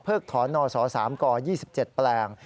เพิกถอนเนาสศ๓ก๒๗แปลง